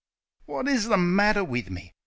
, What is the matter wiv me? ...